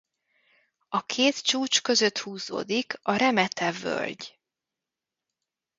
A két csúcs között húzódik a Remete-völgy.